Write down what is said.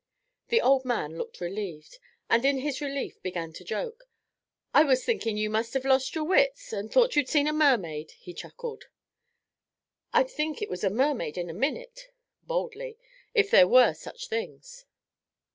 The old man looked relieved, and in his relief began to joke. "I was thinking you must have lost your wits, and thought you'd seen a mermaid," he chuckled. "I'd think it was a mermaid in a minute" boldly "if there were such things."